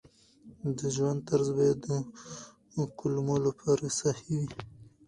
د ژوند طرز باید د کولمو لپاره صحي وي.